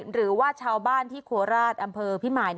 หรือว่าชาวบ้านที่โคราชอำเภอพิมาย